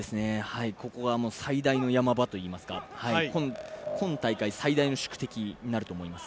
ここは最大の山場といいますか今大会最大の宿敵になると思います。